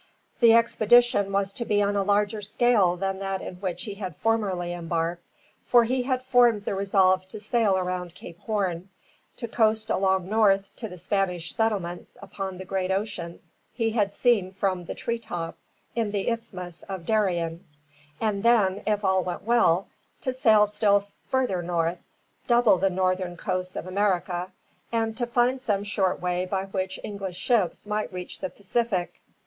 The expedition was to be on a larger scale than that in which he had formerly embarked, for he had formed the resolve to sail round Cape Horn, to coast along north to the Spanish settlements upon the great ocean he had seen from the tree top in the Isthmus of Darien; and then, if all went well, to sail still further north, double the northern coasts of America, and to find some short way by which English ships might reach the Pacific.